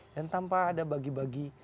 dan tanpa ada bagi bagi